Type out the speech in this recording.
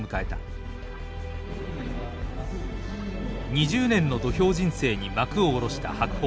２０年の土俵人生に幕を下ろした白鵬。